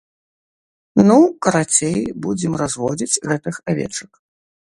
Ну, карацей, будзем разводзіць гэтых авечак.